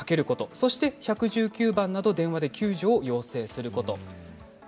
そして１１９番など電話で救助を要請することです。